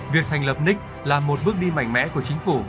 việc thành lập nic là một bước đi mạnh mẽ của chính phủ